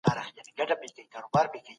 اضافي پانګونه بې ګټې مه پرېږدئ.